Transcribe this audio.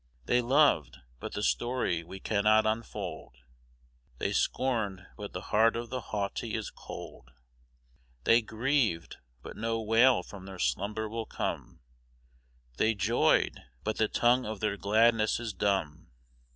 They loved, but the story we cannot unfold; They scorned, but the heart of the haughty is cold; They grieved, but no wail from their slumber will come; They joyed, but the tongue of their gladness is dumb.